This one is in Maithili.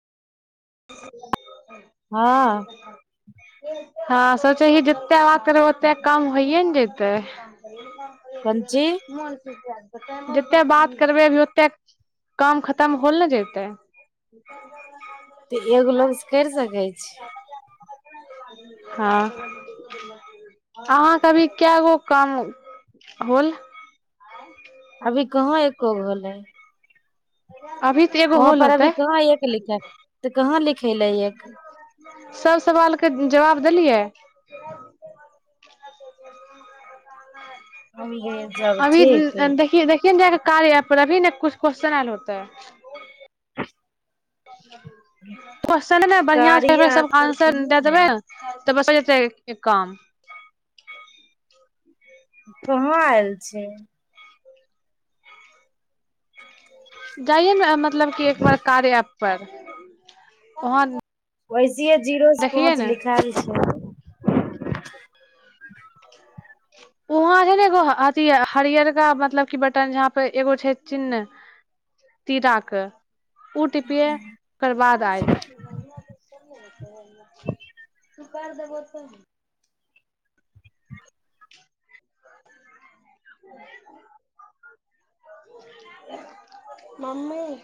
हँ हँ [unintelligible] [unintelligible] ओते कम होइए ने जेतै कंची जतेक बात करबै अभी ओतेक काम खतम होल ने जैते। ह तऽ एगो लोंस करि सकै छैय। हाँ। अहाँके अभी के गो काम होल। आंय। अभी कहाँ एको गो भेलै। अभी तऽ एगो वहाँ होल पर अभी होतै कहाँ एक लिख तऽ कहाँ लिखेले एक। सब सवालके जवाब देलियै। हम भेजब अभी ठीक देखिय देखिय ने जाके कार्य एप पर अभी ने कुछ क्वेश्चन आयल होतै। क्वस््चन ने बढ़िआं से [inaudible] कार्या ऐप सबके पर आंसर कहाँ दे देबै। आयल तऽ बस [inaudible] एक काम। कहाँ आयल छैय। जाइय ने मतलब कि एक बार कार्य एप पर वहाँ वैसे जीरो से देखियै पाँच ने लिखाल छैय। [unintelligible] वहाँ छैय ने एगो अथि हरियरका मतलब की बटन जहा पे एगो छैय चिन्ह। ती राक ओ टिपए। ओकर बाद अएत तू कैर देभो तऽ। [unintelligible] मम्मी।